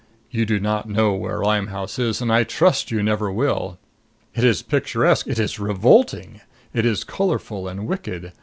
You do not know where Limehouse is and I trust you never will. It is picturesque; it is revolting; it is colorful and wicked.